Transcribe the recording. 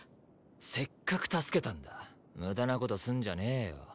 せっかく助けたんだムダなことすんじゃねえよ